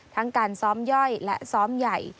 การซ้อมย่อยและซ้อมใหญ่